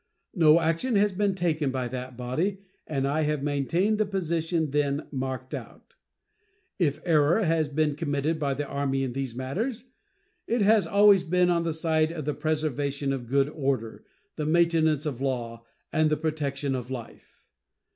No action has been taken by that body, and I have maintained the position then marked out. If error has been committed by the Army in these matters, it has always been on the side of the preservation of good order, the maintenance of law, and the protection of life.